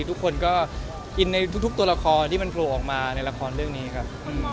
ทุกคนก็อินในทุกตัวละครที่มันโผล่ออกมาในละครเรื่องนี้ครับ